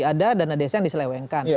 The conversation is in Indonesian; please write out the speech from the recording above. ada dana desa yang diselewengkan